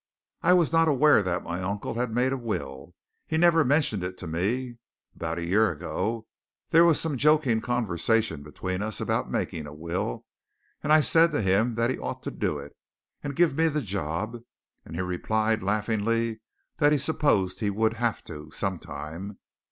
I was not aware that my uncle had made a will. He never mentioned it to me. About a year ago, there was some joking conversation between us about making a will, and I said to him that he ought to do it, and give me the job, and he replied, laughingly, that he supposed he would have to, some time.